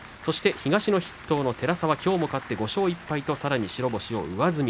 東の筆頭の寺沢きょうも勝って５勝１敗と白星を上積み。